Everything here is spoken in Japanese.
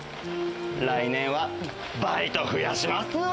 来年はバイト増やしますわ。